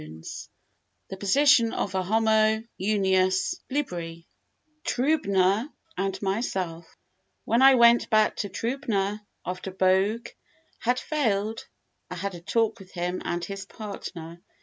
X The Position of a Homo Unius Libri Trübner and Myself WHEN I went back to Trübner, after Bogue had failed, I had a talk with him and his partner.